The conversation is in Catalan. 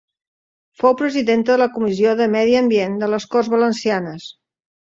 Fou presidenta de la Comissió de Medi Ambient de les Corts Valencianes.